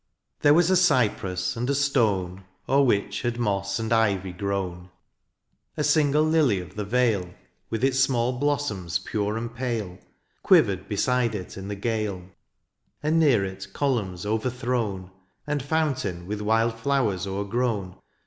There was a cjrpress, and a stone O'er which had moss and iry grown ; A single lily of the vale. With its small blossoms pure and pale. Quivered beside it in the gale : And near it columns overthrown. And fountain with wild flowers overgrown.